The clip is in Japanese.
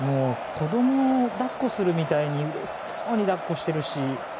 子供を抱っこするみたいにうれしそうに抱っこしてるし。